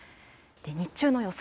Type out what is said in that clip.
日中の予想